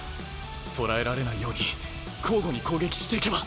捕らえられないように交互に攻撃していけば。